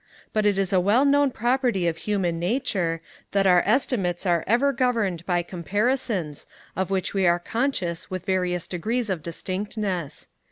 But it is a well known property of human nature, that our estimates are ever governed by comparisons, of which we are conscious with various degrees of distinctness.